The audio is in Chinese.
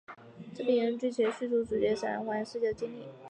这部影片的剧情主要是叙述主角闪电麦坤环游世界的经历。